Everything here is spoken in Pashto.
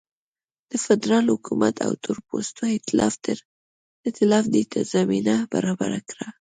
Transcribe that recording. د فدرالي حکومت او تورپوستو اېتلاف دې ته زمینه برابره کړه.